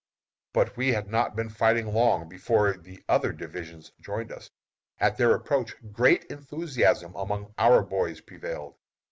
But we had not been fighting long before the other divisions joined us. At their approach great enthusiasm among our boys prevailed.